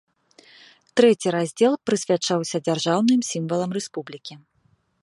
Трэці раздзел прысвячаўся дзяржаўным сімвалам рэспублікі.